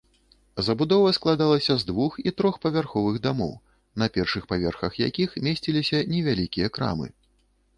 Забудова складалася з двух- і трохпавярховых дамоў, на першых паверхах якіх месціліся невялікія крамы.